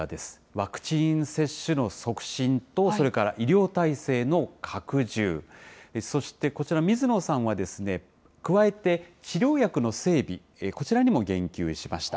ワクチン接種の促進と、それから医療体制の拡充、そしてこちら、水野さんは、加えて、治療薬の整備、こちらにも言及しました。